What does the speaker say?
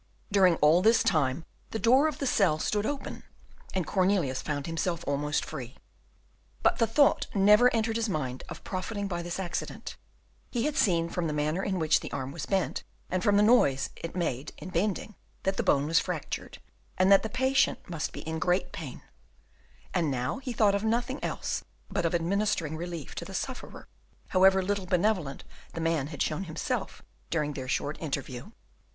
During all this time the door of the cell stood open and Cornelius found himself almost free. But the thought never entered his mind of profiting by this accident; he had seen from the manner in which the arm was bent, and from the noise it made in bending, that the bone was fractured, and that the patient must be in great pain; and now he thought of nothing else but of administering relief to the sufferer, however little benevolent the man had shown himself during their short interview.